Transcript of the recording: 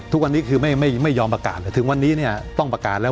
ทุกวันนี้คือไม่ยอมประกาศเลยถึงวันนี้เนี่ยต้องประกาศแล้ว